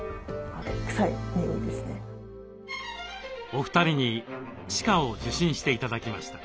お二人に歯科を受診して頂きました。